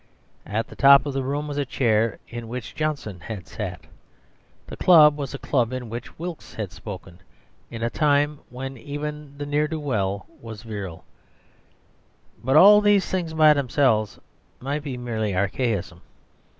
..... At the top of the room was a chair in which Johnson had sat. The club was a club in which Wilkes had spoken, in a time when even the ne'er do weel was virile. But all these things by themselves might be merely archaism.